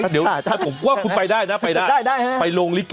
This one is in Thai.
เดี๋ยวถ้าผมก็ว่าคุณไปได้นะไปโลงลิเค